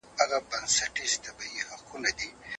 آیا ته په خيالي نړۍ کي خوشحاله يې؟